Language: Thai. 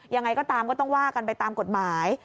ยังไงก็ตามก็ต้องว่ากันไปตามกฎหมาย